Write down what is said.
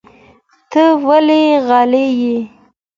ته ولې غلی یې؟